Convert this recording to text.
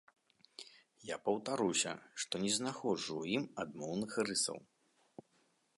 Я паўтаруся, што не знаходжу ў ім адмоўных рысаў.